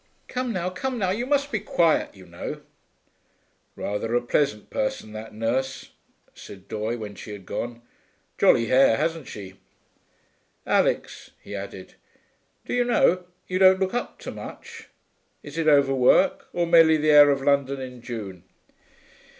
'Come now, come now, you must be quiet, you know.' 'Rather a pleasant person, that nurse,' said Doye when she had gone. 'Jolly hair, hasn't she?... Alix,' he added, 'do you know, you don't look up to much. Is it overwork, or merely the air of London in June?'